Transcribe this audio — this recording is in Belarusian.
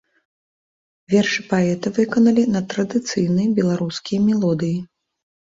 Вершы паэта выканалі на традыцыйныя беларускія мелодыі.